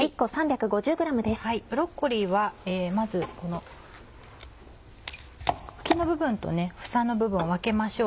ブロッコリーはまずこの茎の部分と房の部分を分けましょう。